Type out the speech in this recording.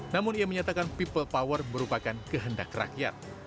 namun ia menyatakan people power merupakan kehendak rakyat